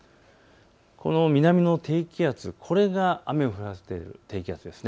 この南の低気圧、これが雨を降らせている低気圧です。